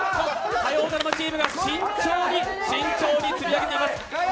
火曜ドラマチームが慎重に積み上げています。